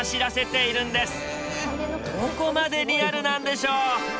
どこまでリアルなんでしょう。